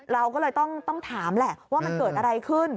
เราก็เลยต้องถามแหละว่ามันเกิดอะไรขึ้น